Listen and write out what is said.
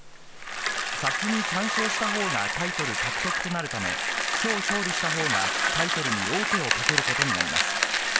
先に３勝した方がタイトル獲得となるため、きょう勝利した方がタイトルに王手をかけることになります。